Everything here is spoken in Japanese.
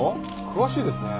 詳しいですね。